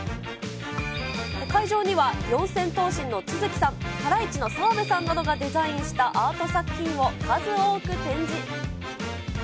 会場には四千頭身の都築さん、ハライチの澤部さんなどがデザインしたアート作品を数多く展示。